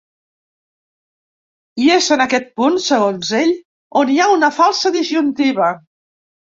I és en aquest punt, segons ell, on hi ha una falsa disjuntiva.